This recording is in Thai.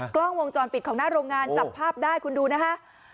กล้องวงจรปิดของหน้าโรงงานจับภาพได้คุณดูนะฮะ